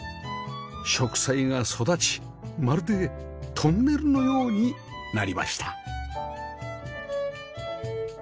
植栽が育ちまるでトンネルのようになりました